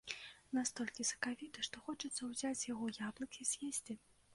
Настолькі сакавіты, што хочацца ўзяць з яго яблык і з'есці.